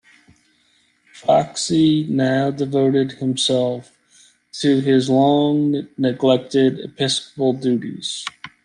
Foxe now devoted himself to his long-neglected episcopal duties.